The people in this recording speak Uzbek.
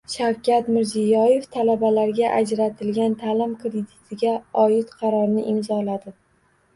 Shavkat Mirziyoyev talabalarga ajratiladigan ta’lim kreditiga oid qarorni imzoladi